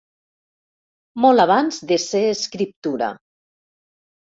Molt abans de ser escriptura.